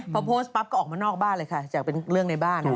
พอโพสต์ปั๊บก็ออกมานอกบ้านเลยค่ะจากเป็นเรื่องในบ้าน